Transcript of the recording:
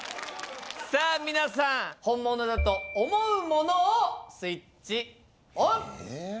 さあ皆さん本物だと思うものをスイッチオン！